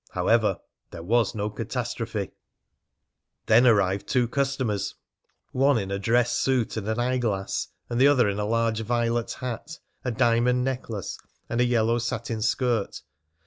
However, there was no catastrophe. Then arrived two customers, one in a dress suit and an eye glass, and the other in a large violet hat, a diamond necklace, and a yellow satin skirt.